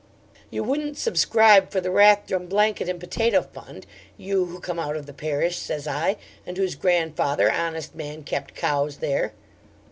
'"You wouldn't subscribe for the Rathdrum blanket and potato fund; you, who come out of the parish," says I, "and whose grandfather, honest man, kept cows there."